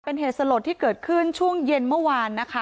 เป็นเหตุสลดที่เกิดขึ้นช่วงเย็นเมื่อวานนะคะ